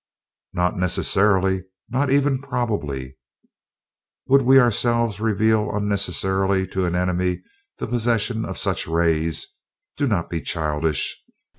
"Not necessarily not even probably. Would we ourselves reveal unnecessarily to an enemy the possession of such rays? Do not be childish.